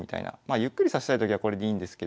ゆっくり指したいときはこれでいいんですけど。